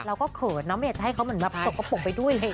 เราก็เขินนะไม่อยากจะให้เขาเหมือนมาจกปกปกไปด้วย